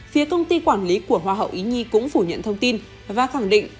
phía công ty quản lý của hoa hậu ý nhi cũng phủ nhận thông tin và khẳng định